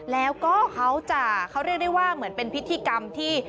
แล้วก็เขาจะเขาเรียกได้ว่าเหมือนเป็นพิธีกรรมที่